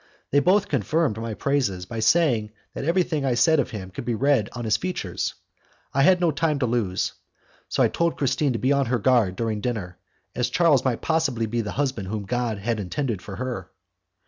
They both confirmed my praises by saying that everything I said of him could be read on his features. I had no time to lose, so I told Christine to be on her guard during dinner, as Charles might possibly be the husband whom God had intended for her.